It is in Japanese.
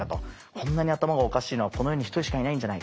こんなに頭がおかしいのはこの世に１人しかいないんじゃないかみたいな。